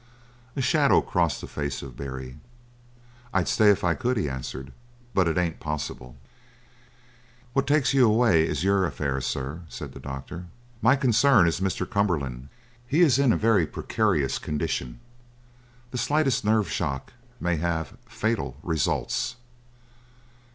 A shadow crossed the face of Barry. "I'd stay if I could," he answered. "But it ain't possible!" "What takes you away is your affair, sir," said the doctor. "My concern is Mr. Cumberland. He is in a very precarious condition. The slightest nerve shock may have fatal results."